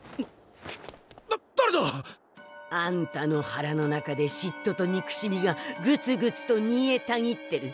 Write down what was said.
だだれだ！？あんたの腹の中でしっととにくしみがグツグツとにえたぎってる。